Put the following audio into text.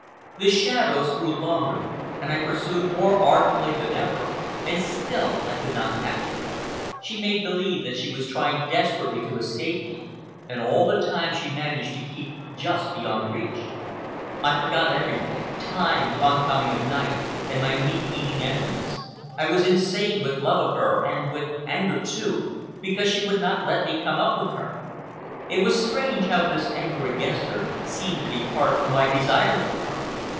The shadows grew longer, and I pursued more ardently than ever, and still I could not catch her. She made believe that she was trying desperately to escape me, and all the time she managed to keep just beyond reach. I forgot everything—time, the oncoming of night, and my meat eating enemies. I was insane with love of her, and with—anger, too, because she would not let me come up with her. It was strange how this anger against her seemed to be part of my desire for her.